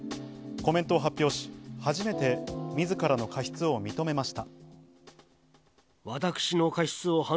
コメントを発表し、初めてみずからの過失を認めました。